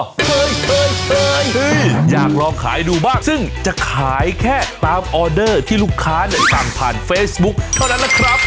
เฮ้ยเฮ้ยเฮ้ยอยากลองขายดูบ้างซึ่งจะขายแค่ตามออเดอร์ที่ลูกค้าในส่างพันธุ์เฟสบุ๊คเท่านั้นแหละครับ